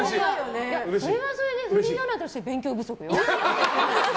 それはそれでフリーアナとして勉強不足よ。